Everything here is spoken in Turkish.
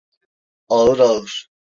Ağır ağır...